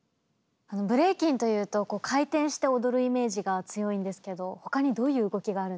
ブレイキンというと回転して踊るイメージが強いんですけどほかにどういう動きがあるんですか？